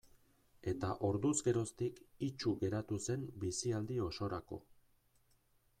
Eta orduz geroztik itsu geratu zen bizialdi osorako.